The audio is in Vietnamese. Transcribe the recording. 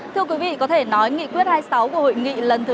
thưa quý vị có thể nói nghị quyết hai mươi sáu của hội nghị lần thứ tám